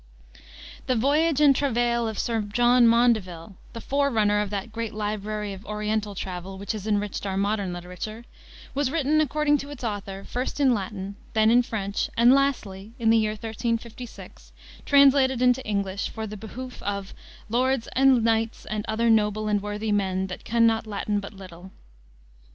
The Voiage and Travaile of Sir John Maundeville the forerunner of that great library of Oriental travel which has enriched our modern literature was written, according to its author, first in Latin, then in French, and, lastly, in the year 1356, translated into English for the behoof of "lordes and knyghtes and othere noble and worthi men, that conne not Latyn but litylle."